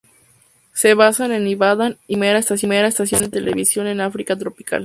Se basaba en Ibadan y fue la primera estación de televisión en África tropical.